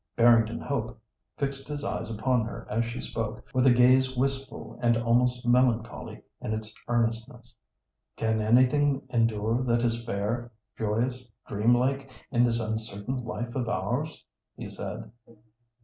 Barrington Hope fixed his eyes upon her as she spoke with a gaze wistful and almost melancholy in its earnestness. "Can anything endure that is fair, joyous, dreamlike, in this uncertain life of ours?" he said.